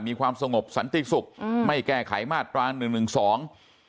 มีความสงบสันติสุขไม่แก้ไขมาตราง๑๑๒